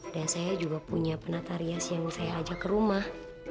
dan saya juga punya penata rias yang saya ajak ke rumah